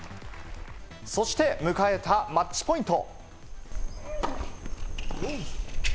そして迎えたマッチポイント。